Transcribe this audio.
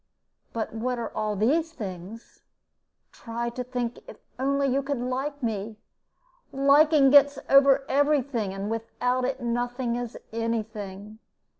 But what are all these things? Try to think if only you could like me. Liking gets over every thing, and without it nothing is any thing.